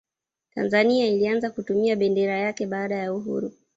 tanzania ilianza kutumia bendera yake baada ya uhuru